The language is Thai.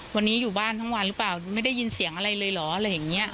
วันนี้อยู่บ้านทั้งวันหรือเปล่าไม่ได้ยินเสียงอะไรเลยเหรออะไรอย่างนี้